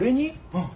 うん。